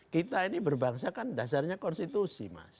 kita ini berbangsa kan dasarnya konstitusi mas